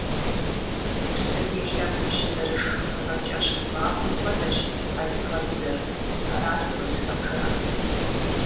Псым и лъэгум щызэрышх мывэ кӏэщхъ макъым хуэдэщ адыгэбзэр – арат урысхэм жаӏэр.